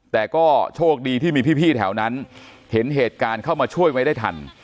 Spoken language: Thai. แต่ก็โชคดีที่มีพี่แถวนั้นเห็นเหตุการณ์เข้ามาช่วยไว้ได้ทัน